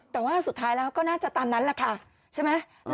แต่ว่าสุดท้ายแล้วก็น่าจะตามนั้นแหละค่ะใช่ไหม